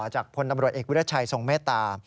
จากพลตำรวจเอกวิรัชัยทรงเมตตา